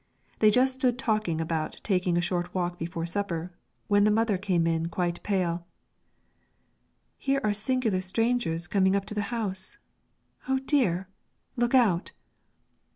They just stood talking about taking a short walk before supper, when the mother came in quite pale. "Here are singular strangers coming up to the house; oh dear! look out!"